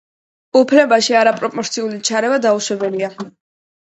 უფლებაში არაპროპორციული ჩარევა დაუშვებელია.